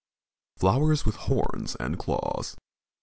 M. FLOWERS WITH HORNS AND CLAWS.